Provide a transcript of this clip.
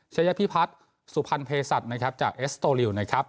ชายพิพัฒน์สุพรรณเพศัตริย์นะครับจากเอสโตริวนะครับ